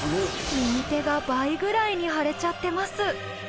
右手が倍ぐらいに腫れちゃってます。